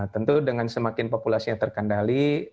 tentu dengan semakin populasi yang terkendali